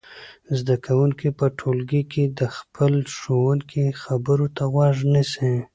زده کوونکي په ټولګي کې د خپل ښوونکي خبرو ته غوږ نیسي.